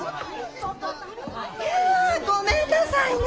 いやごめんなさいね。